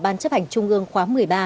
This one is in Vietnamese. ban chấp hành trung ương khóa một mươi ba